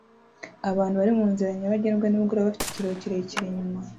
Abantu bari munzira nyabagendwa nimugoroba bafite ikiraro kirekire inyuma